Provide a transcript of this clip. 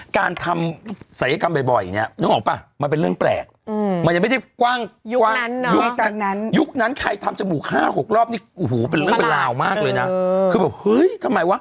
เคยเป็นลาวมากเลยนะ